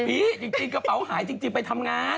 ฟี้เป็นจริงกระเป๋าหายจริงไปทำงาน